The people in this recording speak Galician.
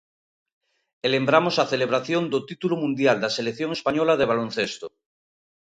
E lembramos a celebración do título mundial da selección española de baloncesto.